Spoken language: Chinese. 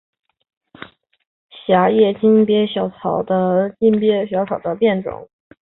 狭叶金疮小草是唇形科筋骨草属金疮小草的变种。